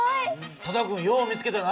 多田君よう見つけたな。